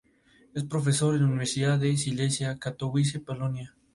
Es profesor en Universidad de Silesia en Katowice, Polonia.